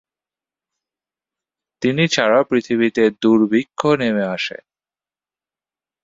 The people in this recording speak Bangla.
তিনি ছাড়া পৃথিবীতে দুর্ভিক্ষ নেমে আসে।